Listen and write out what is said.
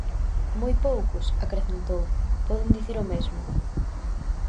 "Moi poucos", acrecentou, "poden dicir o mesmo".